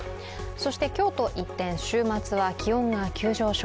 そして今日と一転、週末は気温が急上昇。